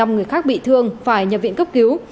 năm người khác bị thương phải nhập viện cấp cứu